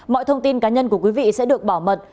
mọi thông tin cá nhân của quý vị sẽ được bảo mật